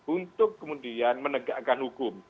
untuk kemudian menegakkan hukum